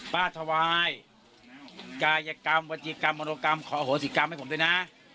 ถวายกายกรรมบัติกรรมมโนกรรมขอโหสิกรรมให้ผมด้วยนะ